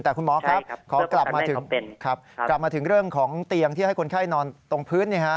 แต่คุณหมอครับขอกลับมาถึงเรื่องของเตียงที่ให้คนไข้นอนตรงพื้น